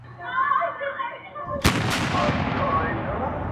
ښکلا د دې؛ زما.